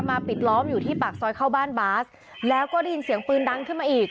ปิดล้อมอยู่ที่ปากซอยเข้าบ้านบาสแล้วก็ได้ยินเสียงปืนดังขึ้นมาอีก